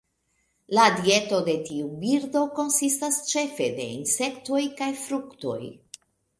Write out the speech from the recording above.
La dieto de tiu birdo konsistas ĉefe de insektoj kaj fruktoj.